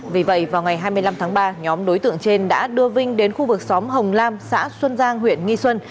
vì vậy vào ngày hai mươi năm tháng ba nhóm đối tượng trên đã đưa vinh đến khu vực xóm hồng lam xã xuân giang huyện nghi xuân